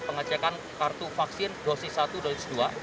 pengecekan kartu vaksin dosis satu dosis dua